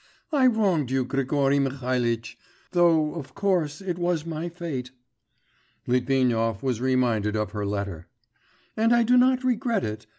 'I wronged you, Grigory Mihalitch ... though, of course, it was my fate' (Litvinov was reminded of her letter) 'and I do not regret it